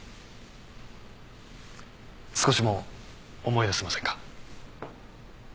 少しも思い出せませんか？